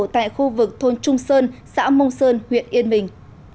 tại khu vực thôn trung sơn xã mông sơn huyện yên bình